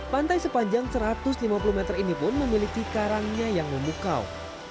pantai sepanjang satu ratus lima puluh meter ini pun memiliki karangnya yang memukau